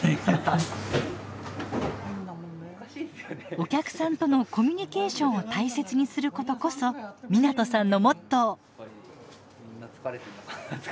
お客さんとのコミュニケーションを大切にすることこそ湊さんのモットー。